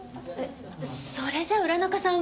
それじゃ浦中さんはヤメ。